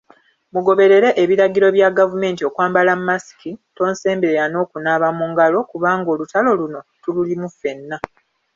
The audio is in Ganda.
Mugoberere ebiragiro bya gavumenti okwambala masiki, tonsemberera n'okunaaba mu ngalo kubanga olutalo luno tululimu ffenna.